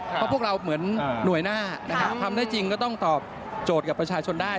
เพราะพวกเราเหมือนหน่วยหน้านะครับทำได้จริงก็ต้องตอบโจทย์กับประชาชนได้